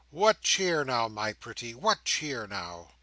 What cheer now, my pretty, what cheer now?"